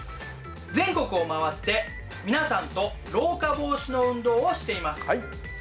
全国を回って皆さんと老化防止の運動をしています。